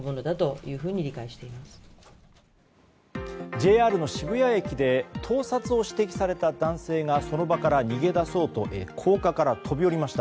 ＪＲ渋谷駅で盗撮を指摘された男性がその場から逃げ出そうと高架から飛び降りました。